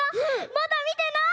まだみてない！